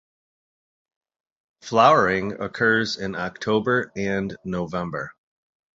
Flowering occurs in October and November.